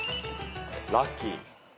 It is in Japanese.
ラッキー。